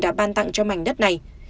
đã ban tặng cho mảnh đất này